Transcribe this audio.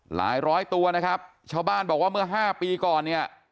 ร้อยตัวนะครับชาวบ้านบอกว่าเมื่อ๕ปีก่อนเนี่ย